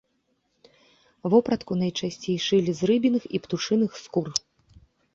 Вопратку найчасцей шылі з рыбіных і птушыных скур.